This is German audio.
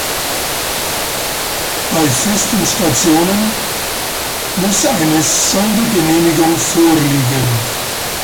Bei festen Stationen muss eine Sondergenehmigung vorliegen.